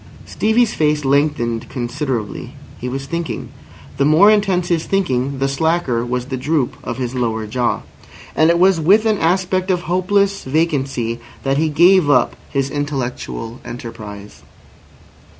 Stevie's face lengthened considerably. He was thinking. The more intense his thinking, the slacker was the droop of his lower jaw. And it was with an aspect of hopeless vacancy that he gave up his intellectual enterprise.